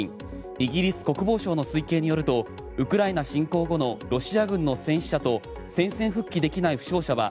イギリス国防省の推計によるとウクライナ侵攻後のロシア軍の戦死者と戦線復帰できない負傷者は